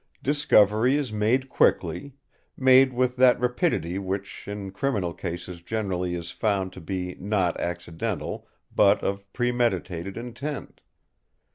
Discovery is made quickly; made with that rapidity which in criminal cases generally is found to be not accidental, but of premeditated intent.